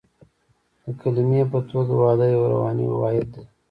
د کلمې په توګه واده یو رواني واحد دی